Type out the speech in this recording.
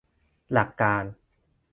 หลักการ